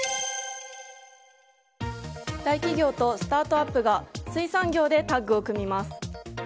大企業とスタートアップが水産業でタッグを組みます。